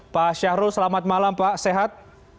pak syahrul selamat malam pak sehat